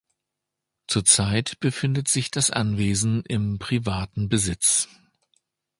Zur Zeit befindet sich das Anwesen im privaten Besitz.